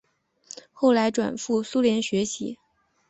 后来转赴苏联学习。